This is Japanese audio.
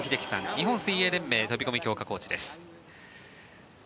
日本水泳連盟飛込強化コーチです。